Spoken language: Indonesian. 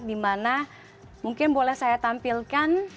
dimana mungkin boleh saya tampilkan